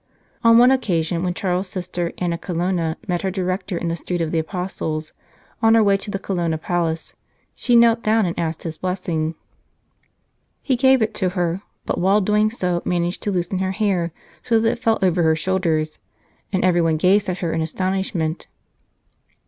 On one occasion, when Charles s sister, Anna Colonna, met her director in the Street of the Apostles, on her way to the Colonna Palace, she knelt down and asked his blessing. He gave it to her, but while doing so managed to loosen her hair so that it fell over her shoulders, and every one gazed at her in astonishment.